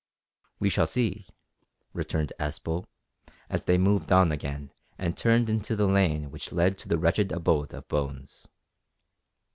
"We shall see," returned Aspel, as they moved on again and turned into the lane which led to the wretched abode of Bones.